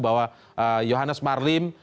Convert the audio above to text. bahwa yohannes marlim